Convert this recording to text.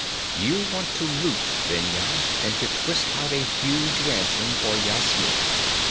You want to loot Vendhya, and to twist out a huge ransom for Yasmina.